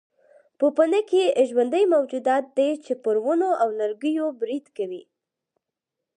پوپنکي ژوندي موجودات دي چې پر ونو او لرګیو برید کوي.